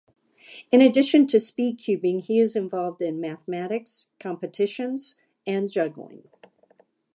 In addition to speedcubing, he is involved in mathematics competitions and juggling.